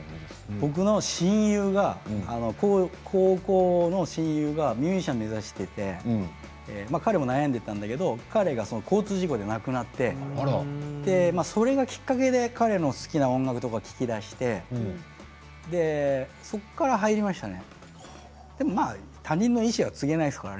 僕の親友、高校の親友がミュージシャンを目指していて彼も悩んでいたんだけど彼が交通事故で亡くなってそれがきっかけで彼の好きな音楽とかを聴きだしてそこから入りましたね。